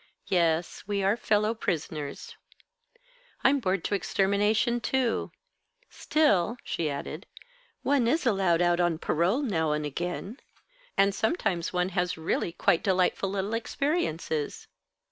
"Yes, we are fellow prisoners. I'm bored to extermination too. Still," she added, "one is allowed out on parole, now and again. And sometimes one has really quite delightful little experiences."